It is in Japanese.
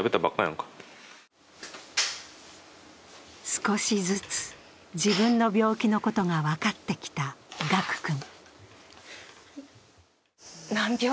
少しずつ自分の病気のことが分かってきた賀久君。